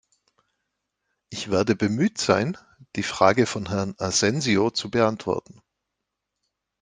Ich werde bemüht sein, die Frage von Herrn Asensio zu beantworten.